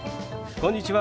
こんにちは！